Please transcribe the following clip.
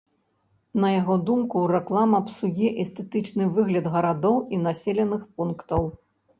На яго думку, рэклама псуе эстэтычны выгляд гарадоў і населеных пунктаў.